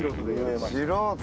素人。